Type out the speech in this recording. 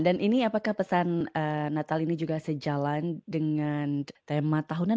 ini apakah pesan natal ini juga sejalan dengan tema tahunan